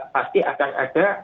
pasti akan ada